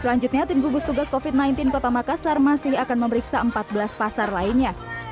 selanjutnya tim gugus tugas covid sembilan belas kota makassar masih akan memeriksa empat belas pasar lainnya